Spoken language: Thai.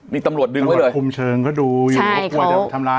นี่ตำรวจดึงเขาเลยคุมเชิงเขาดูอยู่เขากลัวจะทำร้าย